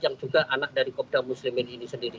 yang juga anak dari kopda muslimin ini sendiri